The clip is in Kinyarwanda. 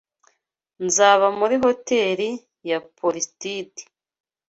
Nzaba muri Hotel ya Portside.